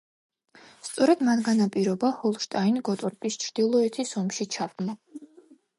სწორედ მან განაპირობა ჰოლშტაინ-გოტორპის ჩრდილოეთის ომში ჩაბმა.